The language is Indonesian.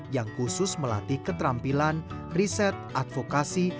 yang khusus melatih keterampilan riset advokasi